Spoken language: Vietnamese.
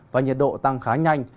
và nhiệt độ tăng khá nhanh